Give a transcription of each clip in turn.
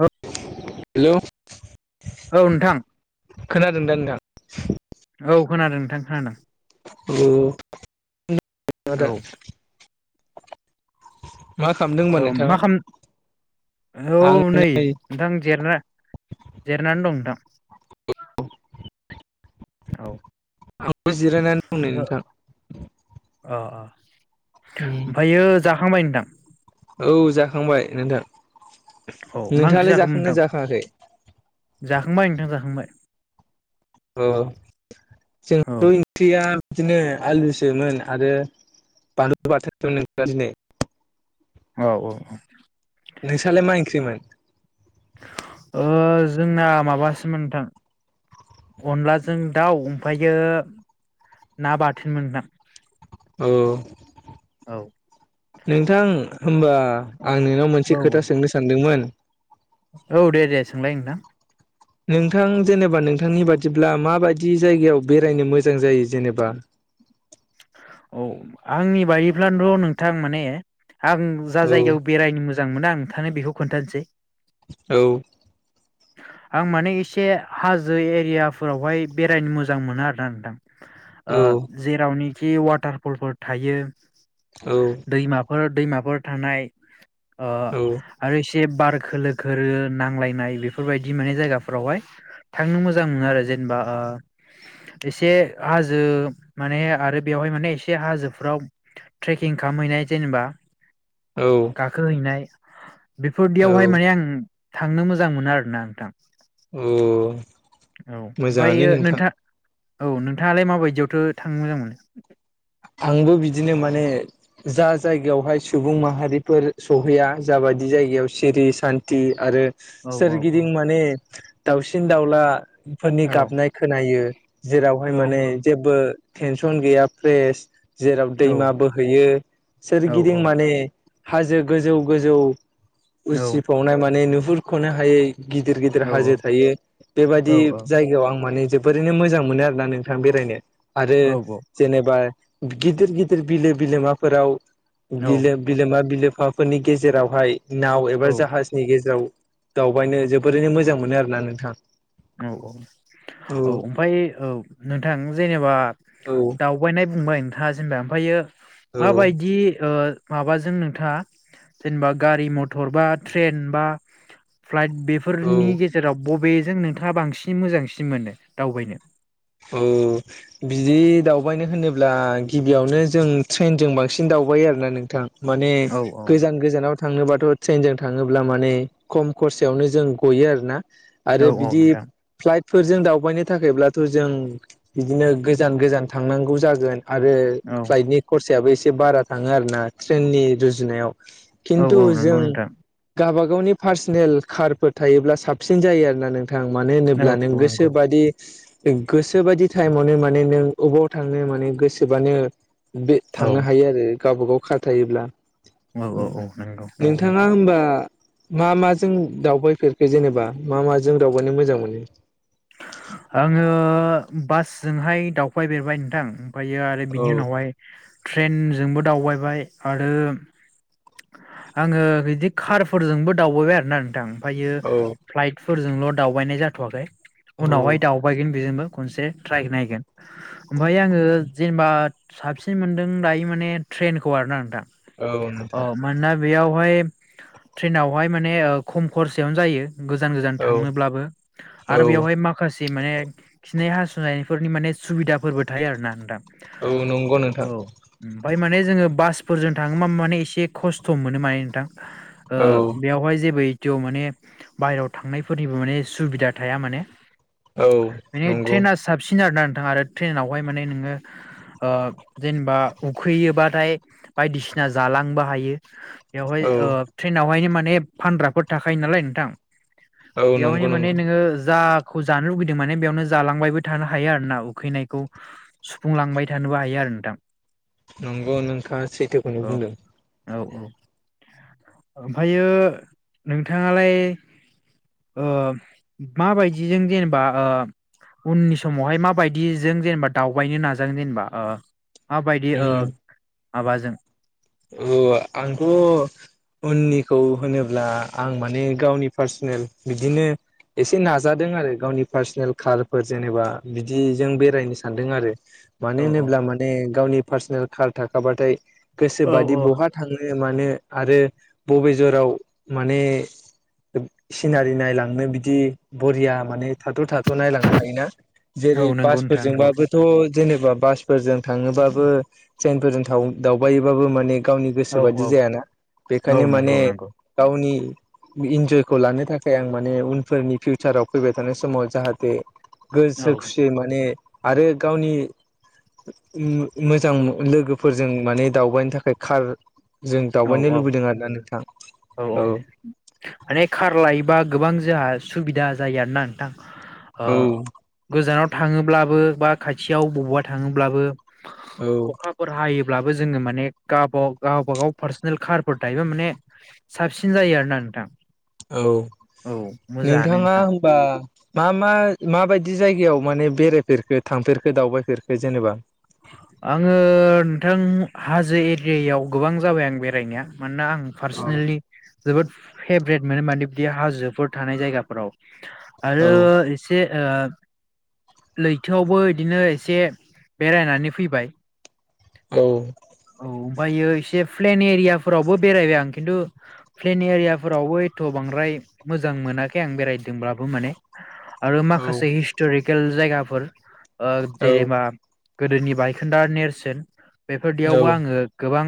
औ हेल' औ नोंथां खोनादों दा नोंथां? औ खोनादों नोंथां खोनादों। औ औ [unintelligible] मा खालामदों होनबा औ मा नोंथाङा खाम औ नै नोंथां जेरायना जिरनानै दं नोंथां औ आंबो जिरायनानै दं ओ नोंथां। अ अ ओमफ्रायो जाखांबाय नोंथां। औ जाखांबाय नोंथां औ मा नोंथाङालाय ओंख्रिजाखोमोन जाखांना जाखाङाखै नोंथां जाखांबाय नोंथां जाखांबाय। अ औ जोंथ' ओंख्रिया बिदिनो आलुसोमोन आरो बानलु बाथोमोन दिनै औ औ नोंसालाय मा ओंख्रिमोन ओ जोंना माबासोन नोंथां अनलाजों दाउ ओमफ्रायो ना बाथोन मोनदां औ नोंथां होनबा आं नोंनाव मोनसे औ खोथा सोंनो सानदोंमोन औ दे दे सोंलाय नोंथां। ् नोंथां जेनेबा नोंथांनि बादिब्ला माबायदि जायगायाव बेरायनो मोजां जायो जेनेबा [inaudible] औ आंनि बायोफ्रानोथ' नोंथां माने आं जा औ जायगायाव बेरायनो मोजां मोनो आंथानो बेखौ खोन्थानोसै औ आं माने एसे हाजो एरियाफोरावहाय बेरायनो मोजां मोनो आरोना नोंथां। ओ औ जेरावनोखि वाटारफलफोर थायो दैमाफोर दैमाफोर थानाय ओ औ आरो जे बार खोलो खोरो नांलायनाय बेफोरबायदि माने जायगाफोरावहाय थांनो मोजां मोनो आरो जे जेनबा ओ एसे हाजो माने आरो बेयावहाय माने एसे हाजोफ्राव ट्रेकिं खालामहैनाय जेनेबा औ गाखोहैनाय औ बेफोरदियावहाय माने आं थांनो मोजां मोनो आरोना नोंथां। औ औ ओमफ्राय मोजाङानो नोंथां नोंथाङ औ नोंथाङालाय माबायदियावथ' थांनो मोजां मोनो आंबो बिदिनो माने जा जायगायावहाय सुबुं माहारिफोर सहैया जा जा बायदि जायगायाव सिरि सान्त आरो औ औ सोरगिदिं माने दाउसिन दाउला फोरनि औ गाबनाय खोनायो जेरावहाय औ माने जेबो टेनसन गैया फ्रेस जेराव दैमा बोहैयो सोरगिदिं माने हाजो गोजौ गोजौ उसिफावनाय माने नुहुरख'नो हायै गिदिर गिदिर हाजो थायो बेबायदि औ जायगायाव आं माने जोबोरैनो मोजां मोनो आरो ना नोंथां बेरायनो आरो एबा गिदिर गिदिर बिलो बिलोमाफोराव बिलोमा बिलो हाबाफोरनि गेजेरावहाय नाव एबा औ जाहाजनि गेजेराव दावबायनो जोबोरैनो मोजां मोनो आरोना नोंथाङा औ औ औ। ओमफ्राय औ नोंथां जेनेबा औ दाउ आगायनाय बुंबाय नोंथाङा जेनेबा ओमफ्रायो औ माबायदि ओ माबाजों नोंथाङा जेनेबा गारि मथर बा ट्रेन बा फ्लाइट औ बेफोरनि गेजेराव बबेजों नोंथाङा बांसिन मोजांसिन मोनो दावबायनो औ बिदि दावबायनो होनोब्ला गिबियावनो जों ट्रेनजों बांसिन दावबाय दावबायो आरोना नोंथां माने औ औ गोजान गोजानाव थाङोब्लाथ' थ ' ट्रेनजों थाङोब्ला माने खम खरसायावनो जों गयो आरो ना औ आरो औ बिदि नोंथां फ्लाइटफोरजों दावबायनो थाखायब्लाथ' जों बिदिनो गोजान गोजान थांनांगौ जागो आरो औ फ्लाइटनि कर्सा बो एसे बारा थाङो आरोना ट्रेननि रुजुनायाव औ खिन्थु औ नंगौ जों नोंथां गाबा गाव गावनि पार्सनेल कारफोर थायोब्ला साबसिन जाय आरोना नों थां मानो औ होनोब्ला नों नंगौ गोसोबायदि गोसोबायदि टाइमावनो माने नों बबावयाव थांनो माने गोसोबानो बे औ थांनो हायो। आरो गावब गाव खार थायोब्ला औ औ नंगौ नंगौ नोंथाङा नोंथां। होमबा मा मा जों दावबायफोरखो? जेनेबा मा मा जों दावगानो मोजां मोनो? आङो बासजोंहाय दावफायफेरबाय बेरबाय नोंथां। ओमफ्रायो आरो औ बिनि उनावहाय ट्रेनजोंबो दावबायबाय। आरो आङो बिदि कारफोरजोंबो दावबायबाय आरोना नोंथां? ओमफ्रायो औ फ्लाइटफोरजोंल' दावबायनाय जाथ'वाखै। औ उनावहाय दावबायगोन बेजोंबो खनसे ट्राइ नायगोन। ओमफ्राय आङो जेनेबा साबसिन मोनदों दायो माने ट्रेनखौ आरोना नोंथां। औ अ नोंथां मानोना बेयाव बेवहाय ट्रेनावहाय माने खम खरसयावनो जायो। गोजान गोजान औ थांनोब्लाबो। औ आरो बेवहाय माखासे माने खिनाय हासुनाय फोरनि माने सुबिदाफोरबो थायो आरोना नोंथां? औ नंगौ नोंथां औ ओमफ्राय माने जोङो बास बास फोरजों थाङोबा माने एसे खस्थ' मोनो माने नोंथां। औ बेयावहाय जेबो थेव माने बायहेरायाव थांनायफोरनिबो माने सुबिदा थाया माने। औ माने नंगौ ट्रेना साबसिन आरो ना नोंथां आरो ट्रेनावहाय माने नोङो जेनेबा उखैयोबाथाय बायदिसिना जालांबो हायो। बेवहाय औ ट्रेनावहायनो माने फानग्राफोर थाखायो नालाय नोंथां। औ नंगौ बेयावहायनो माने नंगौ नोङो जा खौ जानो लुुबैदों माने बेयावनो जालांबायबो थानो हायो आरो ना उखैनायखौ सुफुंलांबाय थानोबो हायो आरो नोंथां। नंगौ नोंथाङा सैथोखौनो बुंदों। औ औ ओमफ्रायो नोंथाङालाय ओ माबायदिजों जेनेबा ओ उननि समावहाय माबायदिजों जेनेबा दावबायनो नाजादों जेनेबा ओ माबायदि ओ माबाजों? अ आंथ' उननिखौ होनोब्ला आं माने गावनि पार्सनेल बिदिनो एसे नाजादों आरो गावनि पार्सनेल कारफोर जेनेबा बिदिजों बेरायनो सानदों आरो मानो औ होनोब्ला माने गावनि पारसनेल थाखाबाथाय गोसो बादि औ बहा थांनो मानो आरो बबे जराव माने सिनारि नायलांनो बिदि बरिया माने थाथ' थाथ' नायलांनो हायोना जेरै औ नंगौ नोंथां नंगौ बासफोरजोंबाबोथ' जेनेबा बासफोरजों थाङोबाबो ट्रेनफोरजों दावबायोबाबो मानि गावनि औ गोसोबायदि औ जायाना बेखायनो औ माने नंगौ नंगौ गावनि इन्जयखौ लानो थाखाय आं माने उनफोरनि फिउचाराव फैबाय थानाय समाव जाहाथे गोसो औ खुसि माने आरो गावनि मोजां लोगोफोरजों माने दावबायनो थाखाय कार जों औ दावबायनो औ लुबैदों आरोना नोंथां औ औ माने खार लायोबा गोबां जोंहा सुबिदा जायो आरोना नोंथां ओ गोजानाव थाङोब्लाबो बा खाथियाव बबावबा थाङोब्लाबो औ अखाफोर हायोब्लाबो जोङो माने गाव गावब गाव पार्सनेल कारफोर थायो माने साबसिन जायो आरोना नोंथां। औ औ मोजाङानो नोंथाङा नोंथां होनबा मा मा माबायदि जायगायाव माने बेरायफेरखो थांफेरखो दावबायफेरखो जेनेबा। आङो नोंथां हाजो एरियायाव गोबां जाबाय आं बेरायनाया। मानोना आं औ पार्सनेलि जोबोद फेभ्रेट मोनो माने बिदि हाजोफोर थानाय जायगाफोराव। आरो औ एसे‌ ओ लैथोआवबो बिदिनो एसे बेरायनानै फैबाय। औ। औ ओमफ्रायो एसे प्लेन एरिया फोरावबो बेरायबाय आं खिन्थु प्लेन एरियाफोरावबो एथ' बांद्राय ओमफ्राय मोजां मोनाखै आं बेरायदोंब्लाबो माने। [inaudible] आरो माखासे हिस्ट'रिकेल जायगाफोर ओ औ जेरेबा गोदोनि बायखोन्दा नेरसोन बेफोरदियावबो आङो गोबां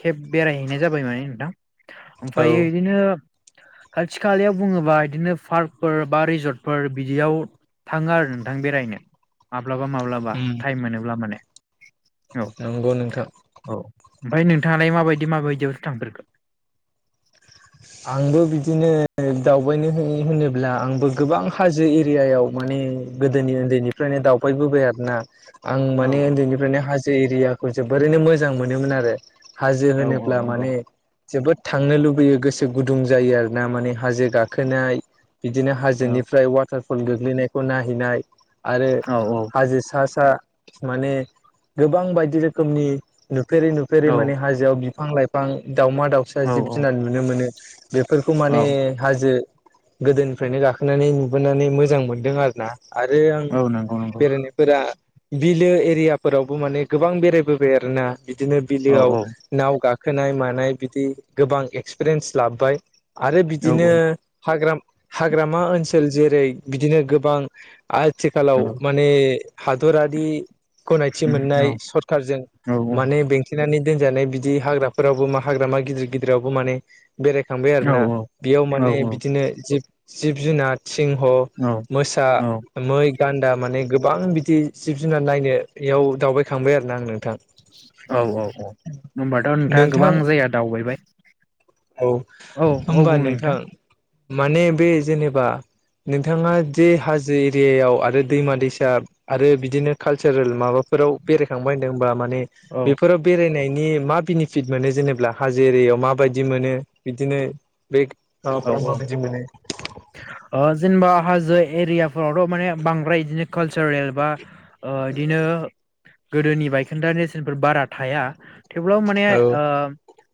खेब बेरायहैनाय जाबाय माने नोंथां औ ओमफ्रायायो इदिनो खाथि खालायाव बुङोबा बिदिनो पार्कफोर बा रिजर्टफोर बिदियाव थाङो आरो नोंथां बेरायनो माब्लाबा माब्लाबा। सम मोनोब्ला माने औ नंगौ नोंथां। औ ओमफ्राय नोंथाङालाय माबायदि माबायदियाव थांफेरखो? आंबो बिदिनो दावबायनो होनोब्ला आंबो गोबां हाजो एरियायाव माने गोदोनि उन्दैनिफ्रायनो दावबायबोबाय आरोना। आं औ माने उन्दैनिफ्रायनो हाजो एरियाखौ जोबोरैनो मोजां मोनोमोन आरो। हाजो औ औ होनोब्ला नंगौ माने जोबोद थांनो लुबैयो गोसो गुदुं जायो आरो ना माने हाजो गाखोनाय बिदिनो औ हाजोनिफ्राय वाटार फल गोग्लैनायखौ नायैनाय आरो औ औ हाजो सा सा माने गोबां बायदि रोखोमनि नुफेरै नुफेरै औ माने हाजोआव बि फां लाइफां दावमा दावसा औ जिब जुनार नुनो मोनो। बेफोरखौ औ माने हाजो गोदोनिफ्रायनो गाखोनानै नुबोनानै मोजां मोनदों आरो ना। आरो आं औ नंगौ नंगौ बेरायनायफोरा बिलो एरियाफोरावबो माने गोबां बेरायबोबाय आरोना बिदिनो औ बिलोआव नाव गाखो खोनाय मानाय बिदि गोबां एक्सपिरियेन्स लाबोबाय आरो औ बिदिनो हाग्रामा हाग्रामा ओनसोल जेरै बिदिनो गोबां आथिखालाव औ माने हादरारि गनायथि औ मोननाय औ सरखारजों औ माने बेंथेनानै दोनजानाय बिदि हाग्राफोरावबो मा हाग्रा मा गिदिर गिदिरावबो माने बेरायखांबाय आरोना बेयाव औ माने बिदिनो जिब जिब जुनार सिंह मोसा औ मै गान्दा माने गोबां बिदि जिब जुनार नायनोयाव दावबायखांबाय आरो ना आंङो। औ औ औ होम्बाथ' नोंथाङा नोंथां गोबां जायगा दावबायबाय। औ औ औ होनबा बुंलाय नोंथां माने बे जेनेबा नोंथाङा जे हाजो एरियायाव आरो दैमा दैसा आरो बिदिनो कालचारेल माबा फोराव बेरायखांबाय होनदोंहोनबा मान ने औ बेफोराव बेरायनायनि मा बिनिफिथ मोनो जेनेबा हाजो एरिआयाव माबादि‌ मोनो बिदिनो बै औ औ ओ जेनेबा हाजो एरियाफोरावथ' माने बांद्राय बिदिनो कालसारेल बा ओ बिदिनो गोदोनि बायखोन्दा नेरसेनफोर बारा थाया। थेवब्लाबो माने औ ओ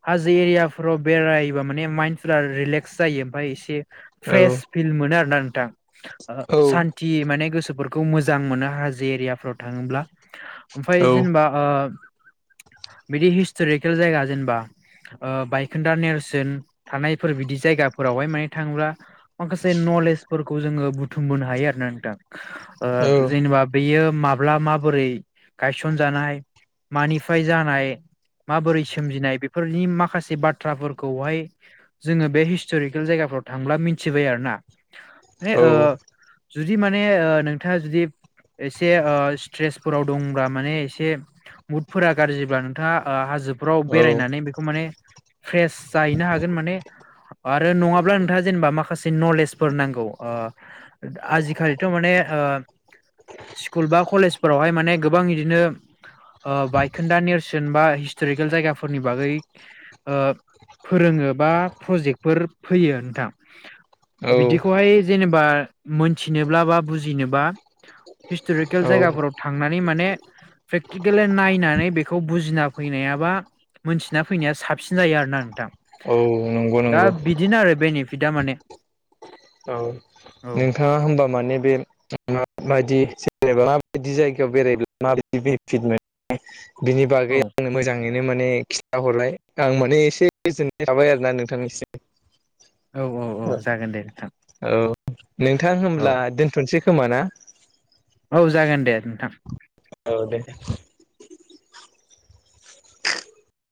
हाजो एरियाफोराव बेरायबा माने माइन्द फ रिलेक सजायो ओमफ्राय औ फ्रेसफिल मोनो आरोना नोंथां ओ औ सानथि माने गोसो फोरखौ मोजां मोनो हाजो एरियाफ्राव थाङोब्ला ओमफ्राय जेनेबा ओ [inaudible] बिदि हिस्ट'रिकेल जायगा जेनेबा ओ बायखोन्दा नेरसोन थानायफोर बिदि जायगाफोरावहाय माने थाङोब्ला माखासे नलेजफोरखौ जोङो बुथुमबोनो हायो आरोना नोंथां। ओ औ जेनेबा बेयो माब्ला माबोरै गायसन जानाय मानिफ्राय जानाय। माबोरै सोमजिनाय बेफोरनि माखासे बाथ्राफोरखौहाय जोङो बे हिस हिस्ट'रिकेल जायगाफ्राव थांब्ला मिथिबाय आरो ना माने औ ओ। जुदि माने ओ नोंथाङा जुदि एसे ओ स्ट्रेसफोराव दंब्ला माने एसे मुदफोरा गाज्रिब्ला नोंथाङा ओ हाजो फ्राव औ बेरायनानै बेखौ माने फ्रेस जाहैनो हागोन माने। आरो नङाब्ला नोंथाङा जेनेबा माखासे नलेजफोर नांगौ ओ आजिखालिथ' माने ओ। स्कुल बा कलेजफोरावहाय माने गोबां बिदिनो ओ बायखोन्दा नेरसोन बा हिस्ट'रिकेल जायगाफोरनि बागै ओ फोरोङो बा प्रजेक्ट। फोर फैयो नोंथां औ बिदिखौहाय जेनेबा मोनथिनोब्ला बा बुजिनोबा हिस्ट'रिकेल औ जायगाफोराव थांनानै माने। प्रेक्टिकेलि नायनानै बेखौ बुजिना फैनायाबा। मोनथिना फैनाया साबसिन जायो आरोना नोंथां। औ। नंगौ दा नंगौ बिदिनो आरो बेनिफिटआ माने। औ औ नोंथाङा होमबा माने बे माबायदि बेरायबा माबायदि जायगायाव बेरायब्ला माबायदि बेनिफिट मोनो बिनि औ बागै आंनो मोजां। यैनो माने खिन्थाहरबाय आं माने एसे गोजोननाय थाबाय आरो ना नोंथांनिसिम। औ औ औ जागोन दे नोंथां। औ नोंथां होमब्ला औ दोनथ'सै खोमा ना? औ जागोनदे नोंथां। औ दे [inaudible]